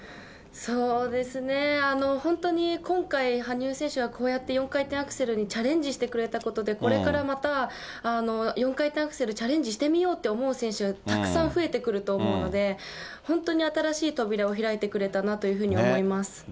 そうですね、本当に今回、羽生選手はこうやって４回転アクセルにチャレンジしてくれたことで、これからまた、４回転アクセル、チャレンジしてみようって思う選手、たくさん増えてくると思うので、本当に新しい扉を開いてくれたなというふうに思います。